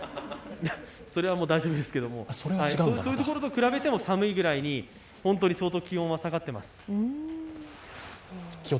それはもう大丈夫ですけどもそういうところと比べても寒いぐらいに、本当に相当気温は下がっています。